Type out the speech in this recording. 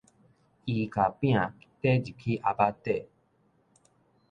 伊共餅貯入去盒仔底